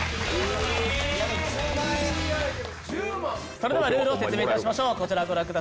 それではルールを説明いたしましょう。